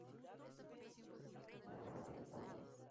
Acciones que corresponden al comprador.